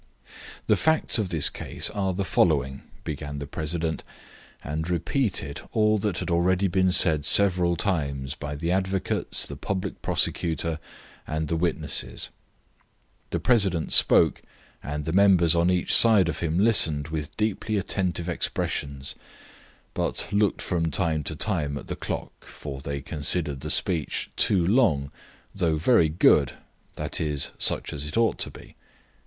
"The facts of this case are the following," began the president, and repeated all that had already been said several times by the advocates, the public prosecutor and the witnesses. The president spoke, and the members on each side of him listened with deeply attentive expressions, but looked from time to time at the clock, for they considered the speech too long though very good i.e., such as it ought to be.